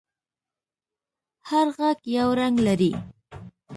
هر غږ یو رنگ لري.